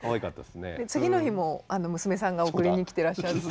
次の日も娘さんが送りにきてらっしゃって。